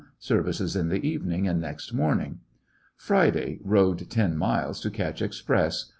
Services in the evening and next morning. Friday. Rode ten miles to catch express.